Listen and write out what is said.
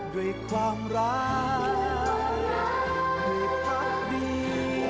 ด้วยความรักด้วยภาพดี